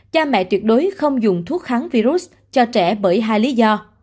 cha mẹ tuyệt đối không dùng thuốc kháng virus cho trẻ bởi hai lý do